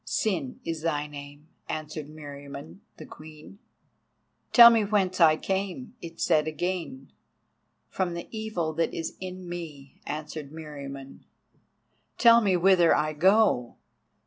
"Sin is thy name," answered Meriamun the Queen. "Tell me whence I come," it said again. "From the evil that is in me," answered Meriamun. "Tell me whither I go."